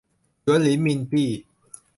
หยวนเหรินหมินปี้